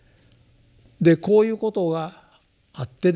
でこういうことがあってですね